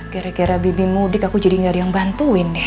gara gara bibir mudik aku jadi nggak ada yang bantuin deh